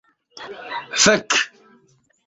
Fek'...